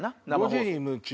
『５時に夢中！』